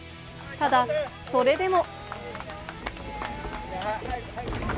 ただ、それでも。